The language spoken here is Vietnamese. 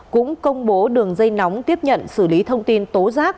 cũng công bố đường dây nóng tiếp nhận xử lý thông tin tố giác